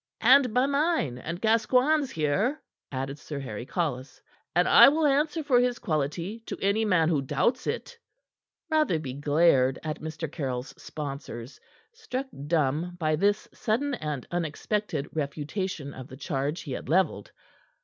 "And by mine and Gascoigne's here," added Sir Harry Collis, "and I will answer for his quality to any man who doubts it." Rotherby glared at Mr. Caryll's sponsors, struck dumb by this sudden and unexpected refutation of the charge he had leveled.